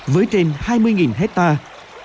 với trên hai mươi hectare